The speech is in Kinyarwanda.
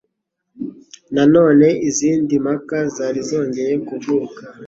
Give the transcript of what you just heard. Na none izindi mpaka zari zongeye kuvuka.